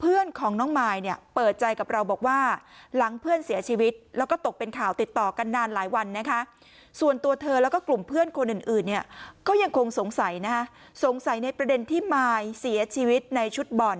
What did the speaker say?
เพื่อนของน้องมายเนี่ยเปิดใจกับเราบอกว่าหลังเพื่อนเสียชีวิตแล้วก็ตกเป็นข่าวติดต่อกันนานหลายวันนะคะส่วนตัวเธอแล้วก็กลุ่มเพื่อนคนอื่นเนี่ยก็ยังคงสงสัยนะคะสงสัยในประเด็นที่มายเสียชีวิตในชุดบอล